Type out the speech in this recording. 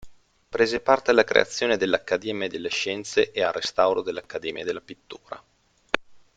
Prese parte alla creazione dell'Accademia delle Scienze e al restauro dell'Accademia della Pittura.